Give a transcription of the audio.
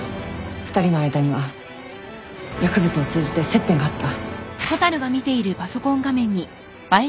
２人の間には薬物を通じて接点があった。